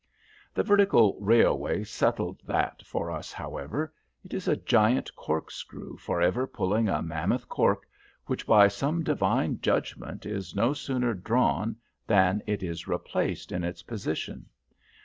The "vertical railway" settled that for us, however. It is a giant corkscrew forever pulling a mammoth cork, which, by some divine judgment, is no sooner drawn than it is replaced in its position.